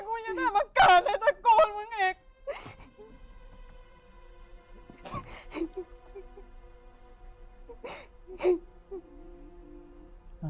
กูยังได้มาเกิดเลยจะโกนมึงเอง